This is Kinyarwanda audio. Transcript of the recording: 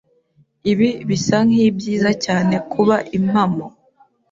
Ibi bisa nkibyiza cyane kuba impamo.